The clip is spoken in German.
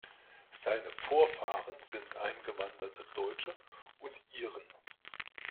Seine Vorfahren sind eingewanderte Deutsche und Iren.